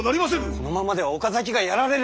このままでは岡崎がやられる！